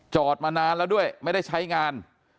มานานแล้วด้วยไม่ได้ใช้งาน